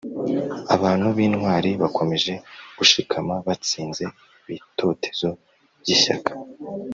Abantu b intwari bakomeje gushikama batsinze ibitotezo by ishyaka